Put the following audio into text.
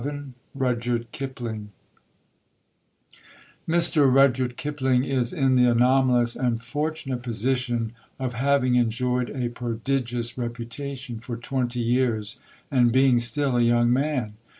XI RUDYARD KIPLING Mr. Rudyard Kipling is in the anomalous and fortunate position of having enjoyed a prodigious reputation for twenty years, and being still a young man.